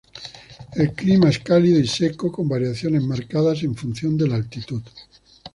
El clima es cálido y seco, con variaciones marcadas en función de la altitud.